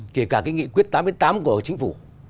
kể cả cái nghị quyết tám mươi tám của chính phủ